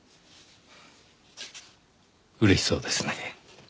嬉しそうですね。